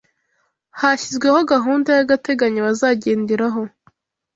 hashyizweho gahunda y’agateganyo bazagenderaho